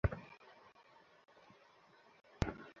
আমি নিজের হাত প্রসারিত করব, এবং মিশরকে আমার বিস্ময় দিয়ে ছেয়ে ফেলব।